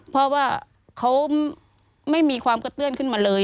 เพราะว่าเขาไม่มีความกระเตื้อนขึ้นมาเลย